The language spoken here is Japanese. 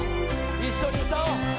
一緒に歌おう。